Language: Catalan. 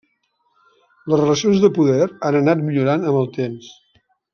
Les relacions de poder han anat millorant amb el temps.